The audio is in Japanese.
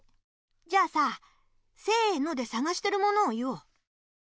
じゃあさせのでさがしてるものを言おう。